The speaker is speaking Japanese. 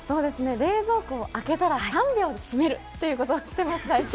冷蔵庫を開けたら３秒で閉めるということをしています。